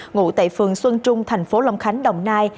ngủ tại phường xuân trung thành phố lòng khánh đồng nai